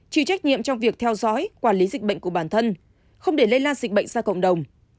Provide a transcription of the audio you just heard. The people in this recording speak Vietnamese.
chịu trách nhiệm trong việc theo dõi quản lý dịch bệnh của bản thân không để lây lan dịch bệnh ra cộng đồng